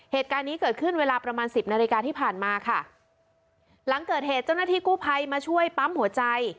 เหตุการณ์นี้เกิดขึ้นเวลาประมาณสิบนาฬิกาที่ผ่านมาค่ะหลังเกิดเหตุเจ้าหน้าที่กู้ภัยมาช่วยปั๊มหัวใจ